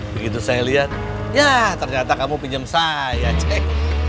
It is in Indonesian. begitu saya lihat ya ternyata kamu pinjam saya cek